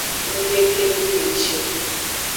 Ng gbe kenu kpeci o.